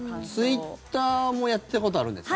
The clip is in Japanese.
ツイッターもやったことあるんですか？